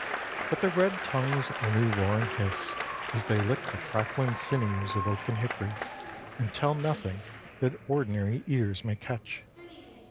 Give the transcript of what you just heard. But the red tongues only roar and hiss as they lick the crackling sinews of oak and hickory, and tell nothing that ordinary ears may catch.